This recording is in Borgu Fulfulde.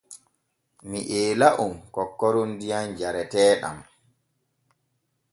Mi eela on kokkoron diyam jareteeɗam.